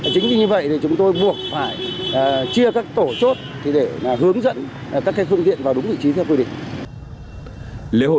chính vì như vậy thì chúng tôi buộc phải chia các tổ chốt để hướng dẫn các phương tiện vào đúng vị trí theo quy định